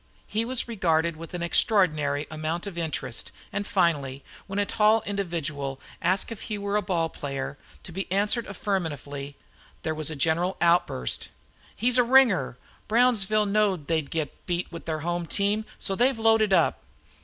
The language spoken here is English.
He was regarded with an extraordinary amount of interest; and finally, when a tall individual asked him if he were a ball player, to be answered affirmatively, there was a general outburst. "He's a ringer! Brownsville knowed they 'd git beat with their home team, so they've loaded up!"